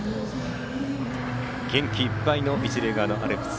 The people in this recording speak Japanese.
元気いっぱいの一塁側のアルプス。